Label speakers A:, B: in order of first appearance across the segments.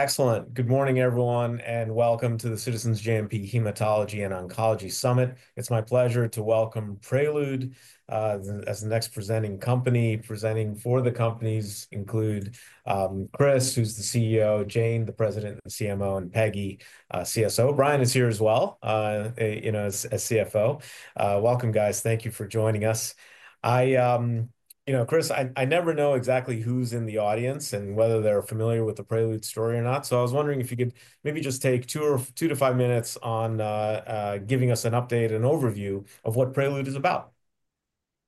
A: Excellent. Good morning, everyone, and welcome to the Citizens JMP Hematology and Oncology Summit. It's my pleasure to welcome Prelude as the next presenting company. Presenting for the companies include Kris, who's the CEO; Jane, the President and CMO; and Peggy, CSO. Bryant is here as well, you know, as CFO. Welcome, guys. Thank you for joining us. You know, Kris, I never know exactly who's in the audience and whether they're familiar with the Prelude story or not. So I was wondering if you could maybe just take two to five minutes on giving us an update and overview of what Prelude is about.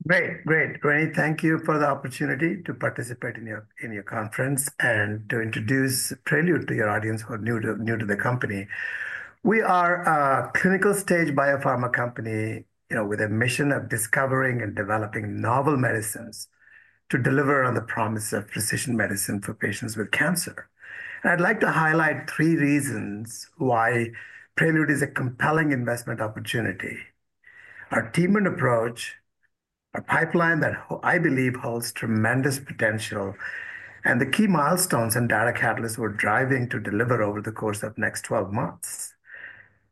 B: Great, great. Great. Thank you for the opportunity to participate in your conference and to introduce Prelude to your audience who are new to the company. We are a clinical stage biopharma company, you know, with a mission of discovering and developing novel medicines to deliver on the promise of precision medicine for patients with cancer. And I'd like to highlight three reasons why Prelude is a compelling investment opportunity: our team and approach, our pipeline that I believe holds tremendous potential, and the key milestones and data catalysts we're driving to deliver over the course of the next 12 months.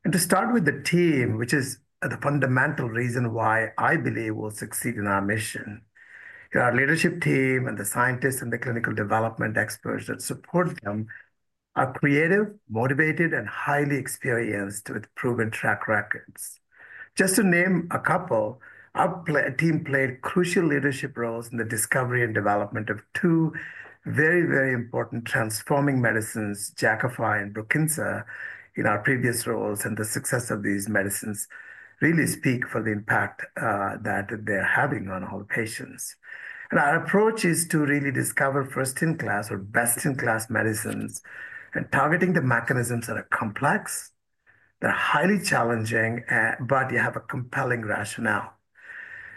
B: And to start with the team, which is the fundamental reason why I believe we'll succeed in our mission. Our leadership team and the scientists and the clinical development experts that support them are creative, motivated, and highly experienced with proven track records. Just to name a couple, our team played crucial leadership roles in the discovery and development of two very, very important transforming medicines, Jakafi and Brukinsa, in our previous roles. And the success of these medicines really speaks for the impact that they're having on all patients. And our approach is to really discover first-in-class or best-in-class medicines and targeting the mechanisms that are complex, that are highly challenging, but you have a compelling rationale.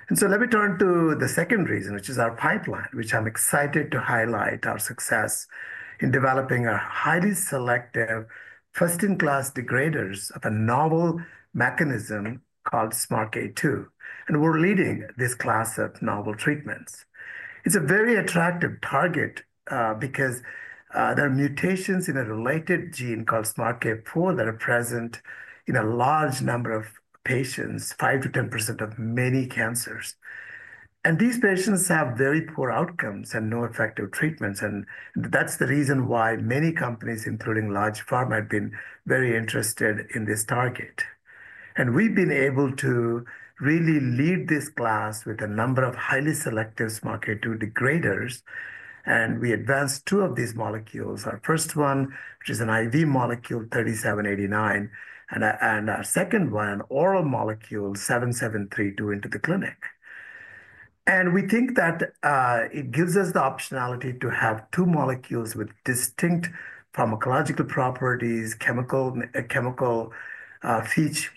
B: And so let me turn to the second reason, which is our pipeline, which I'm excited to highlight our success in developing our highly selective first-in-class degraders of a novel mechanism called SMARCA2. And we're leading this class of novel treatments. It's a very attractive target because there are mutations in a related gene called SMARCA4 that are present in a large number of patients, 5%-10% of many cancers. These patients have very poor outcomes and no effective treatments. That's the reason why many companies, including large pharma, have been very interested in this target. We've been able to really lead this class with a number of highly selective SMARCA2 degraders. We advanced two of these molecules. Our first one, which is an IV molecule, PRT3789, and our second one, an oral molecule, PRT7732, into the clinic. We think that it gives us the optionality to have two molecules with distinct pharmacological properties, chemical features,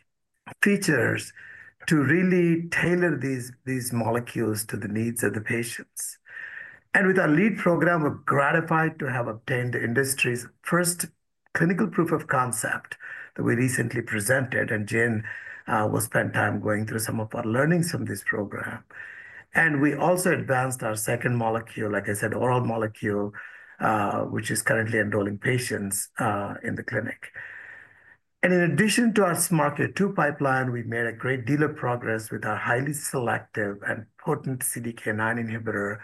B: to really tailor these molecules to the needs of the patients. With our lead program, we're gratified to have obtained the industry's first clinical proof of concept that we recently presented. Jane will spend time going through some of our learnings from this program. And we also advanced our second molecule, like I said, oral molecule, which is currently enrolling patients in the clinic. And in addition to our SMARCA2 pipeline, we made a great deal of progress with our highly selective and potent CDK9 inhibitor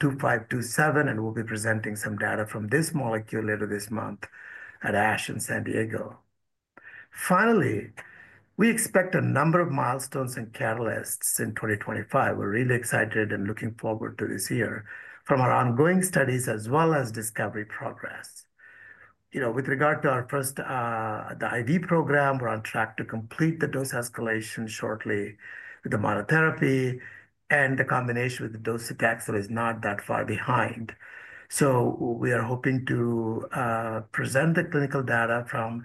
B: 2527. And we'll be presenting some data from this molecule later this month at ASH in San Diego. Finally, we expect a number of milestones and catalysts in 2025. We're really excited and looking forward to this year from our ongoing studies as well as discovery progress. You know, with regard to our first, the IV program, we're on track to complete the dose escalation shortly with the monotherapy. And the combination with the docetaxel is not that far behind. So we are hoping to present the clinical data from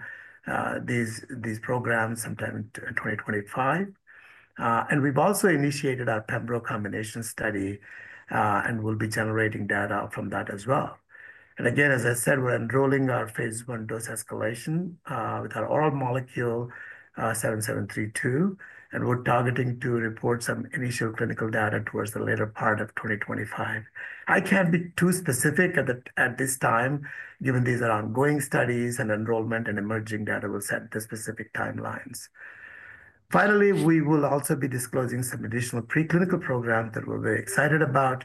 B: these programs sometime in 2025. And we've also initiated our pembrolizumab combination study and will be generating data from that as well. And again, as I said, we're enrolling our Phase 1 dose escalation with our oral molecule 7732. And we're targeting to report some initial clinical data towards the later part of 2025. I can't be too specific at this time, given these are ongoing studies and enrollment and emerging data will set the specific timelines. Finally, we will also be disclosing some additional preclinical programs that we're very excited about.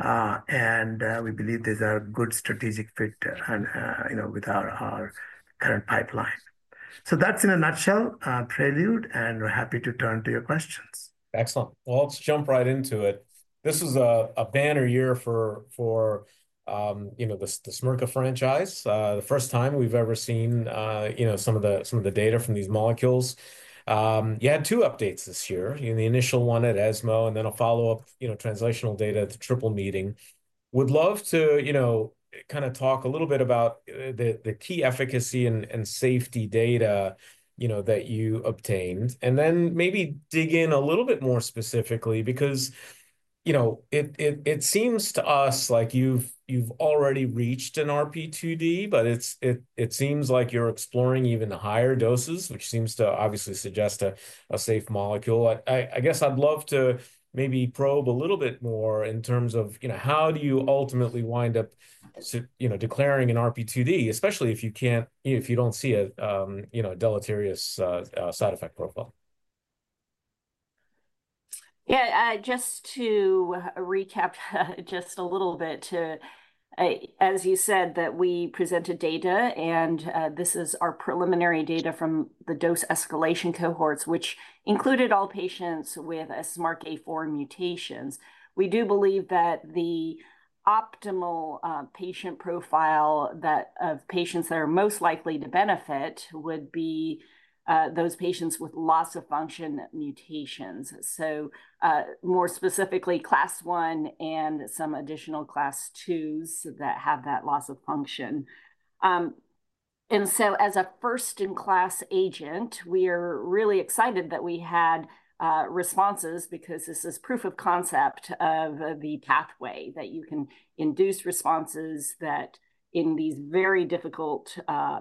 B: And we believe these are a good strategic fit with our current pipeline. So that's in a nutshell, Prelude. And we're happy to turn to your questions.
A: Excellent. Well, let's jump right into it. This was a banner year for, you know, the SMARCA franchise, the first time we've ever seen, you know, some of the data from these molecules. You had two updates this year, the initial one at ESMO and then a follow-up, you know, translational data at the Triple Meeting. Would love to, you know, kind of talk a little bit about the key efficacy and safety data, you know, that you obtained. And then maybe dig in a little bit more specifically because, you know, it seems to us like you've already reached an RP2D, but it seems like you're exploring even higher doses, which seems to obviously suggest a safe molecule. I guess I'd love to maybe probe a little bit more in terms of, you know, how do you ultimately wind up, you know, declaring an RP2D, especially if you can't, if you don't see a, you know, deleterious side effect profile?
C: Yeah, just to recap just a little bit, as you said, that we presented data and this is our preliminary data from the dose escalation cohorts, which included all patients with SMARCA4 mutations. We do believe that the optimal patient profile of patients that are most likely to benefit would be those patients with loss of function mutations. So more specifically, Class 1 and some additional Class 2s that have that loss of function. And so as a first-in-class agent, we are really excited that we had responses because this is proof of concept of the pathway that you can induce responses that in these very difficult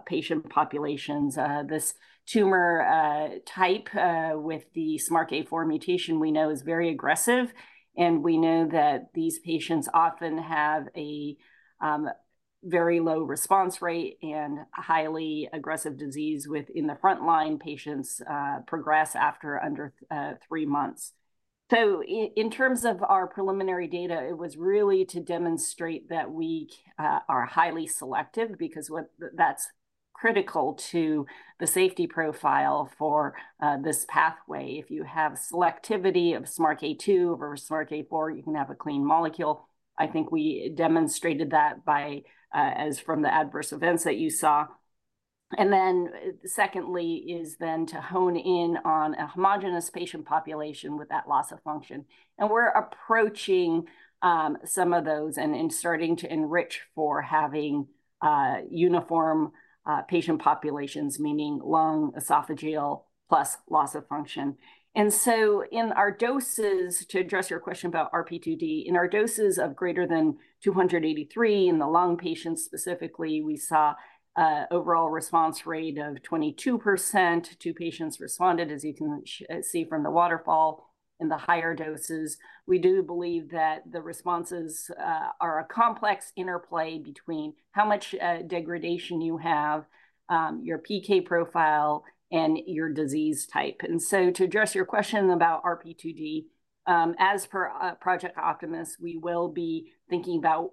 C: patient populations. This tumor type with the SMARCA4 mutation we know is very aggressive. And we know that these patients often have a very low response rate and highly aggressive disease within the front line. Patients progress after under three months. So in terms of our preliminary data, it was really to demonstrate that we are highly selective because that's critical to the safety profile for this pathway. If you have selectivity of SMARCA2 over SMARCA4, you can have a clean molecule. I think we demonstrated that by, as from the adverse events that you saw. And then secondly is then to hone in on a homogeneous patient population with that loss of function. And we're approaching some of those and starting to enrich for having uniform patient populations, meaning lung, esophageal, plus loss of function. And so in our doses, to address your question about RP2D, in our doses of greater than 283 in the lung patients specifically, we saw an overall response rate of 22%. Two patients responded, as you can see from the waterfall in the higher doses. We do believe that the responses are a complex interplay between how much degradation you have, your PK profile, and your disease type. And so to address your question about RP2D, as per Project Optimus, we will be thinking about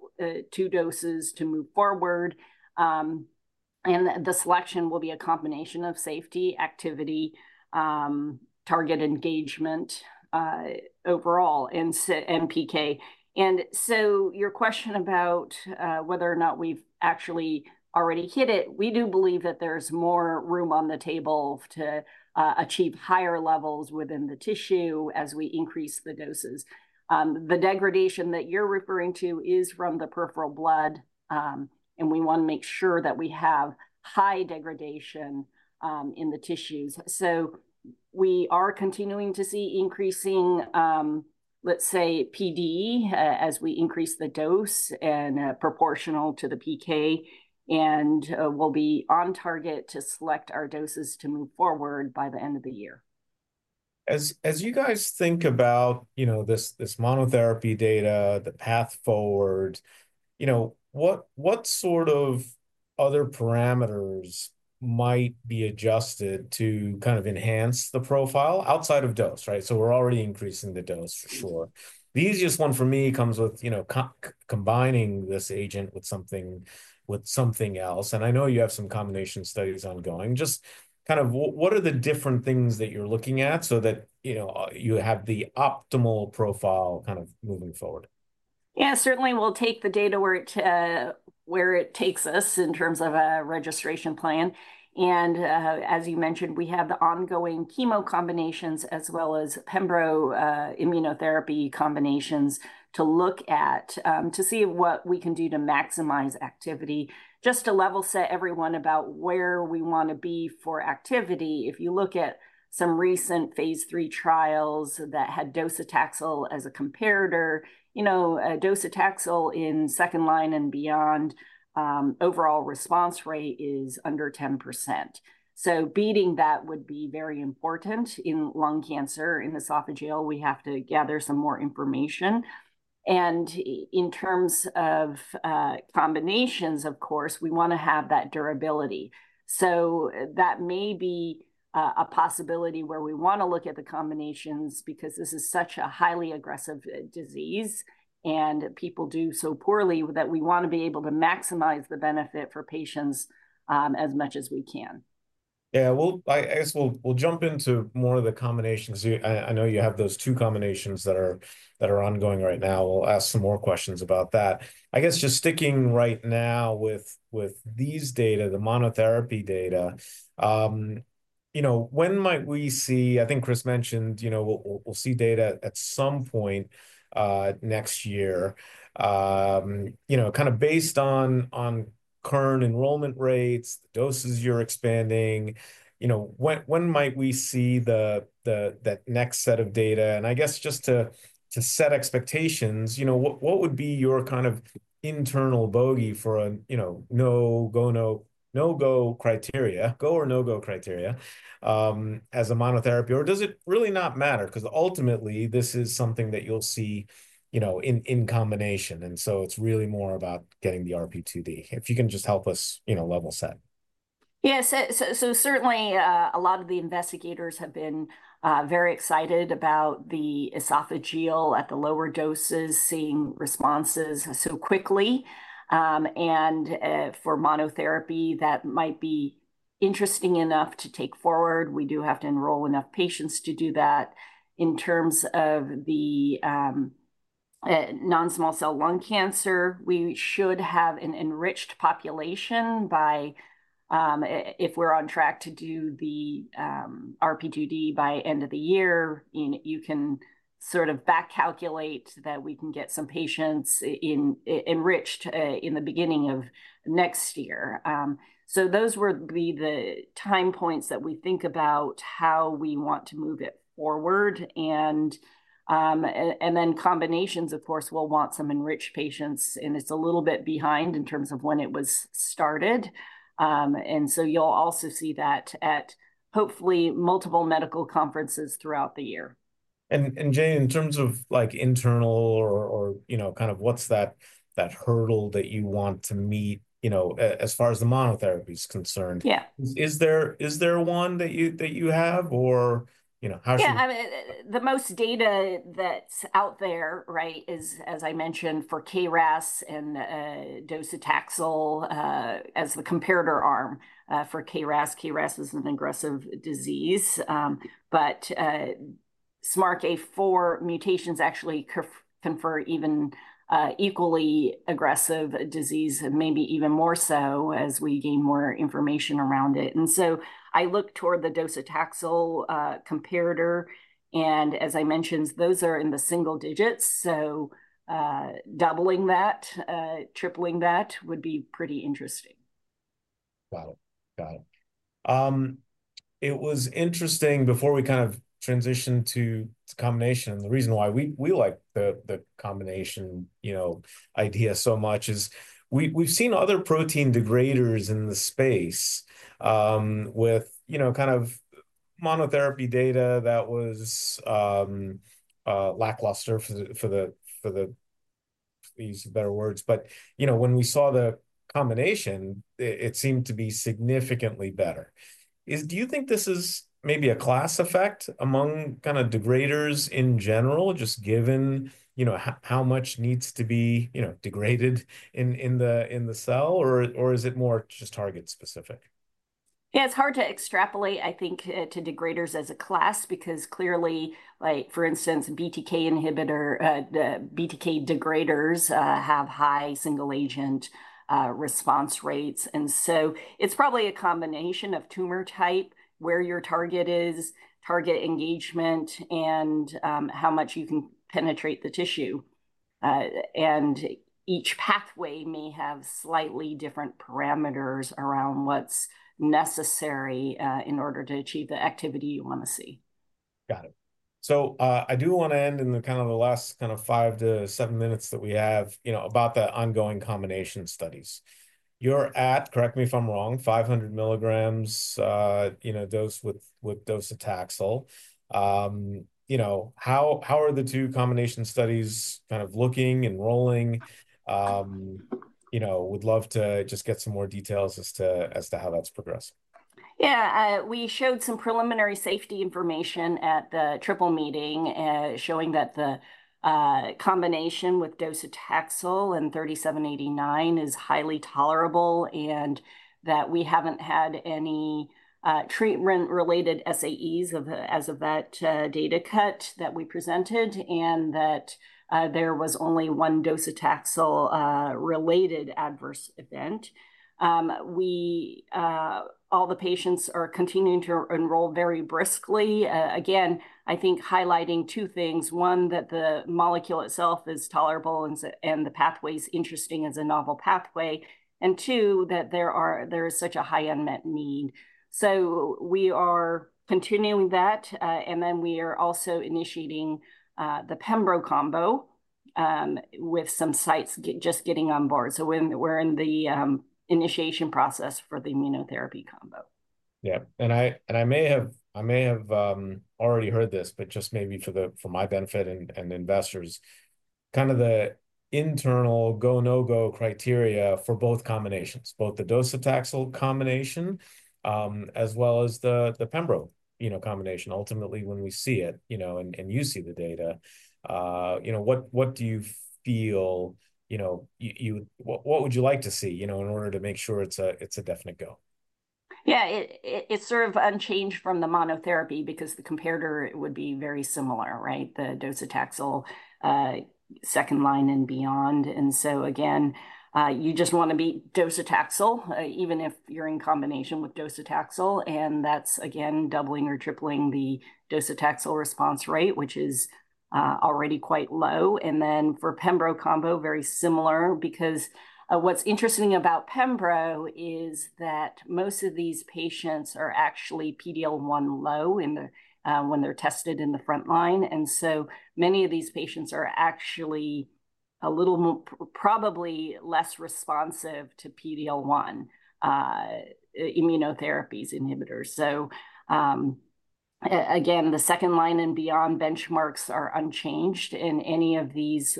C: two doses to move forward. And the selection will be a combination of safety, activity, target engagement overall in PK. And so your question about whether or not we've actually already hit it, we do believe that there's more room on the table to achieve higher levels within the tissue as we increase the doses. The degradation that you're referring to is from the peripheral blood. And we want to make sure that we have high degradation in the tissues. So we are continuing to see increasing, let's say, PD as we increase the dose and proportional to the PK. We'll be on target to select our doses to move forward by the end of the year.
A: As you guys think about, you know, this monotherapy data, the path forward, you know, what sort of other parameters might be adjusted to kind of enhance the profile outside of dose, right? So we're already increasing the dose for sure. The easiest one for me comes with, you know, combining this agent with something else. And I know you have some combination studies ongoing. Just kind of what are the different things that you're looking at so that, you know, you have the optimal profile kind of moving forward?
C: Yeah, certainly we'll take the data where it takes us in terms of a registration plan. And as you mentioned, we have the ongoing chemo combinations as well as pembrolizumab immunotherapy combinations to look at, to see what we can do to maximize activity. Just to level set everyone about where we want to be for activity, if you look at some recent Phase III trials that had docetaxel as a comparator, you know, docetaxel in second line and beyond, overall response rate is under 10%. So beating that would be very important in lung cancer, in esophageal, we have to gather some more information. And in terms of combinations, of course, we want to have that durability. So that may be a possibility where we want to look at the combinations because this is such a highly aggressive disease and people do so poorly that we want to be able to maximize the benefit for patients as much as we can.
A: Yeah, well, I guess we'll jump into more of the combinations. I know you have those two combinations that are ongoing right now. We'll ask some more questions about that. I guess just sticking right now with these data, the monotherapy data, you know, when might we see, I think Chris mentioned, you know, we'll see data at some point next year, you know, kind of based on current enrollment rates, the doses you're expanding, you know, when might we see that next set of data? And I guess just to set expectations, you know, what would be your kind of internal bogey for a, you know, no go, no go criteria, go or no go criteria as a monotherapy? Or does it really not matter? Because ultimately, this is something that you'll see, you know, in combination. And so it's really more about getting the RP2D, if you can just help us, you know, level set.
C: Yeah, so certainly a lot of the investigators have been very excited about the esophageal at the lower doses, seeing responses so quickly. And for monotherapy, that might be interesting enough to take forward. We do have to enroll enough patients to do that. In terms of the non-small cell lung cancer, we should have an enriched population by, if we're on track to do the RP2D by end of the year, you can sort of back calculate that we can get some patients enriched in the beginning of next year. So those would be the time points that we think about how we want to move it forward. And then combinations, of course, will want some enriched patients. And it's a little bit behind in terms of when it was started. And so you'll also see that at hopefully multiple medical conferences throughout the year.
A: Jane, in terms of like internal or, you know, kind of what's that hurdle that you want to meet, you know, as far as the monotherapy is concerned?
C: Yeah.
A: Is there one that you have or, you know, how should?
C: Yeah, the most data that's out there, right, is, as I mentioned, for KRAS and docetaxel as the comparator arm for KRAS. KRAS is an aggressive disease. But SMARCA4 mutations actually confer even equally aggressive disease and maybe even more so as we gain more information around it. And so I look toward the docetaxel comparator. And as I mentioned, those are in the single digits. So doubling that, tripling that would be pretty interesting.
A: Got it. Got it. It was interesting before we kind of transitioned to combination. The reason why we like the combination, you know, idea so much is we've seen other protein degraders in the space with, you know, kind of monotherapy data that was lackluster to use better words. But, you know, when we saw the combination, it seemed to be significantly better. Do you think this is maybe a class effect among kind of degraders in general, just given, you know, how much needs to be, you know, degraded in the cell or is it more just target specific?
C: Yeah, it's hard to extrapolate, I think, to degraders as a class because clearly, like for instance, BTK inhibitor, BTK degraders have high single-agent response rates. And so it's probably a combination of tumor type where your target is, target engagement, and how much you can penetrate the tissue. And each pathway may have slightly different parameters around what's necessary in order to achieve the activity you want to see.
A: Got it. So I do want to end in the kind of the last kind of five to seven minutes that we have, you know, about the ongoing combination studies. You're at, correct me if I'm wrong, 500 milligrams, you know, dose with docetaxel. You know, how are the two combination studies kind of looking, enrolling? You know, would love to just get some more details as to how that's progressing.
C: Yeah, we showed some preliminary safety information at the Triple Meeting showing that the combination with docetaxel and 3789 is highly tolerable and that we haven't had any treatment-related SAEs as of that data cut that we presented and that there was only one docetaxel-related adverse event. All the patients are continuing to enroll very briskly. Again, I think highlighting two things. One, that the molecule itself is tolerable and the pathway is interesting as a novel pathway. And two, that there is such a high unmet need. So we are continuing that. And then we are also initiating the pembrolizumab combo with some sites just getting on board. So we're in the initiation process for the immunotherapy combo.
A: Yeah. And I may have already heard this, but just maybe for my benefit and investors, kind of the internal go/no-go criteria for both combinations, both the docetaxel combination as well as the pembrolizumab combination, ultimately when we see it, you know, and you see the data, you know, what do you feel, you know, what would you like to see, you know, in order to make sure it's a definite go?
C: Yeah, it's sort of unchanged from the monotherapy because the comparator would be very similar, right? The docetaxel second line and beyond. And so again, you just want to beat docetaxel, even if you're in combination with docetaxel. And that's again, doubling or tripling the docetaxel response rate, which is already quite low. And then for pembrolizumab combo, very similar because what's interesting about pembrolizumab is that most of these patients are actually PD-L1 low when they're tested in the front line. And so many of these patients are actually a little probably less responsive to PD-L1 immunotherapies inhibitors. So again, the second line and beyond benchmarks are unchanged in any of these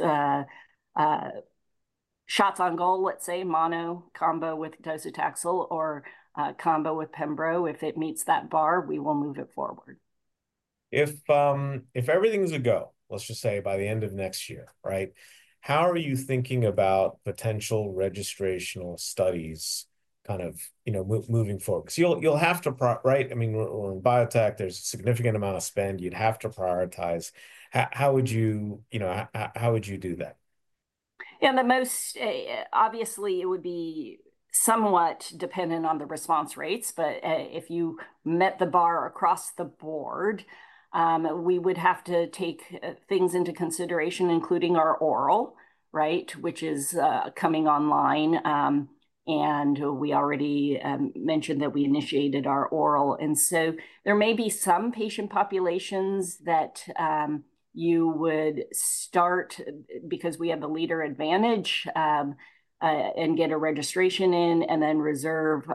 C: shots on goal, let's say mono combo with docetaxel or combo with pembrolizumab. If it meets that bar, we will move it forward.
A: If everything's a go, let's just say by the end of next year, right? How are you thinking about potential registrational studies kind of, you know, moving forward? Because you'll have to, right? I mean, we're in biotech. There's a significant amount of spend. You'd have to prioritize. How would you, you know, how would you do that?
C: Yeah, the most obviously it would be somewhat dependent on the response rates. But if you met the bar across the board, we would have to take things into consideration, including our oral, right, which is coming online. And we already mentioned that we initiated our oral. And so there may be some patient populations that you would start because we have the leader advantage and get a registration in and then reserve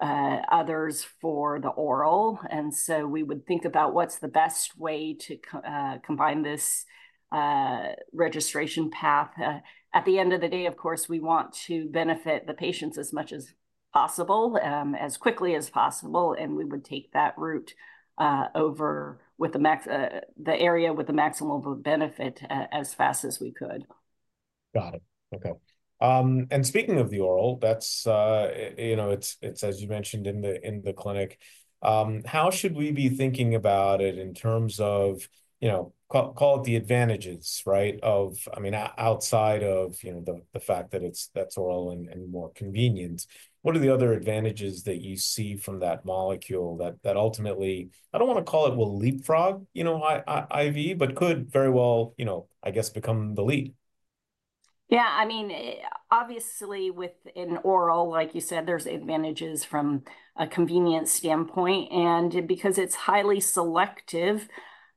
C: others for the oral. And so we would think about what's the best way to combine this registration path? At the end of the day, of course, we want to benefit the patients as much as possible, as quickly as possible. And we would take that route over with the area with the maximum of benefit as fast as we could.
A: Got it. Okay. And speaking of the oral, that's, you know, it's, as you mentioned in the clinic, how should we be thinking about it in terms of, you know, call it the advantages, right, of, I mean, outside of, you know, the fact that it's oral and more convenient, what are the other advantages that you see from that molecule that ultimately, I don't want to call it will leapfrog, you know, IV, but could very well, you know, I guess become the lead?
C: Yeah, I mean, obviously with an oral, like you said, there's advantages from a convenience standpoint. And because it's highly selective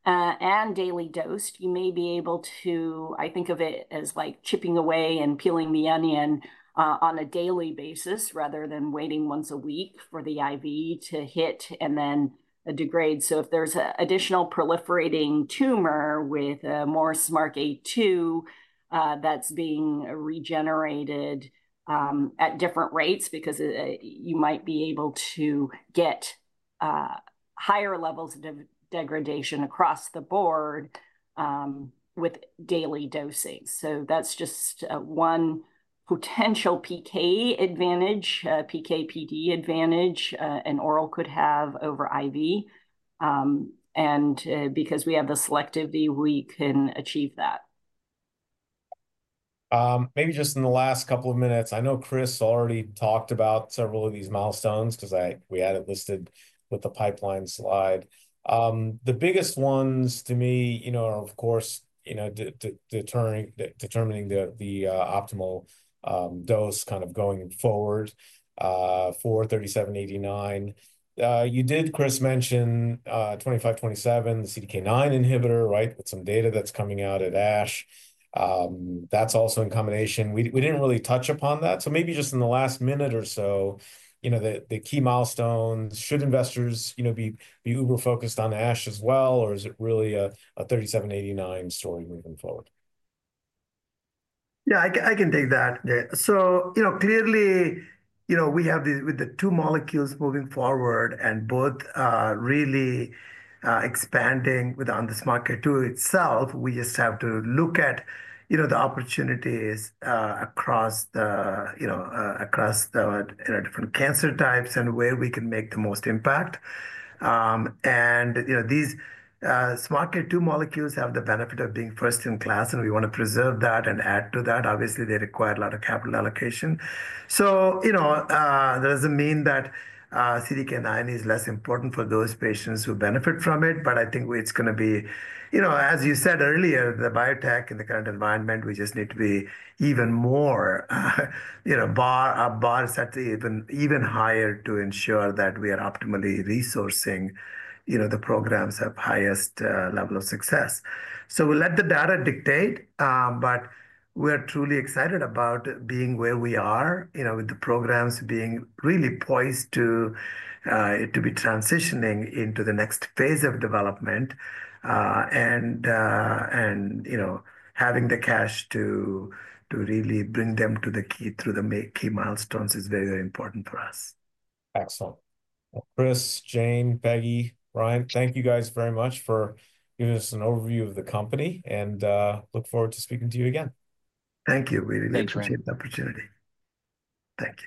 C: and daily dosed, you may be able to, I think of it as like chipping away and peeling the onion on a daily basis rather than waiting once a week for the IV to hit and then degrade. So if there's an additional proliferating tumor with a more SMARCA2 that's being regenerated at different rates because you might be able to get higher levels of degradation across the board with daily dosing. So that's just one potential PK advantage, PK/PD advantage an oral could have over IV. And because we have the selectivity, we can achieve that.
A: Maybe just in the last couple of minutes, I know Chris already talked about several of these milestones because we had it listed with the pipeline slide. The biggest ones to me, you know, are of course, you know, determining the optimal dose kind of going forward for 3789. You did, Chris, mention 2527, the CDK9 inhibitor, right, with some data that's coming out at ASH. That's also in combination. We didn't really touch upon that. So maybe just in the last minute or so, you know, the key milestones, should investors, you know, be uber-focused on ASH as well, or is it really a 3789 story moving forward?
D: Yeah, I can take that. So, you know, clearly, you know, we have the two molecules moving forward and both really expanding within the SMARCA2 itself. We just have to look at, you know, the opportunities across the, you know, across the different cancer types and where we can make the most impact. And, you know, these SMARCA2 molecules have the benefit of being first in class, and we want to preserve that and add to that. Obviously, they require a lot of capital allocation. So, you know, that doesn't mean that CDK9 is less important for those patients who benefit from it. But I think it's going to be, you know, as you said earlier, the biotech in the current environment, we just need to be even more, you know, bar set even higher to ensure that we are optimally resourcing, you know, the programs of highest level of success, so we'll let the data dictate, but we are truly excited about being where we are, you know, with the programs being really poised to be transitioning into the next phase of development, and, you know, having the cash to really bring them through the key milestones is very, very important for us.
A: Excellent. Chris, Jane, Peggy, Bryant, thank you guys very much for giving us an overview of the company, and look forward to speaking to you again.
D: Thank you. We really appreciate the opportunity.
A: Thanks.